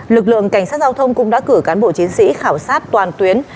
lực lượng cảnh sát giao thông cũng đã cử cán bộ chiến sĩ khảo sát toàn tuyến